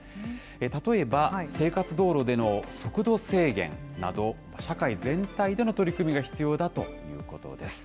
例えば生活道路での速度制限など、社会全体での取り組みが必要だということです。